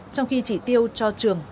trong khi trí tiêu cho trường